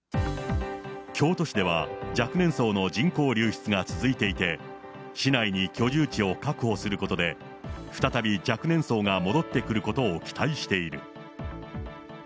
京都市では、若年層の人口流出が続いていて、市内に居住地を確保することで、再び若年層が戻ってくることを期待している。